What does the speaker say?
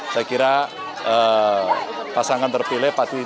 saya kira pasangan terpilih pasti